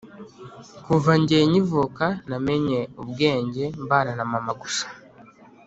Kuva njye nyivuka namenye ubwenge mbana na mama gusa